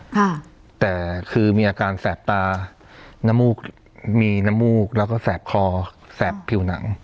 ค่ะแต่คือมีอาการแสบตาน้ำมูกมีน้ำมูกแล้วก็แสบคอแสบผิวหนัง